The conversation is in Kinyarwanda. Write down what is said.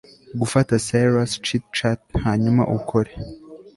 gufata cirrus chit-chat hanyuma ukore